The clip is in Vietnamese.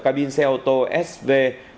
cabin xe ô tô sv một trăm một mươi